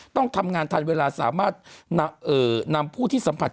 ต้องทำงานทันเวลาสามารถนำผู้ที่สัมผัส